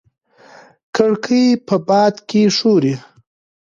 کړکۍ په باد کې ښوري.